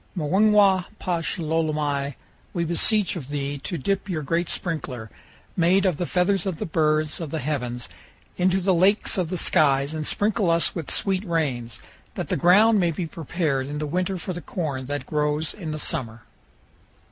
Muingwa pash lolomai, we beseech of thee to dip your great sprinkler, made of the feathers of the birds of the heavens, into the lakes of the skies and sprinkle us with sweet rains, that the ground may be prepared in the winter for the corn that grows in the summer."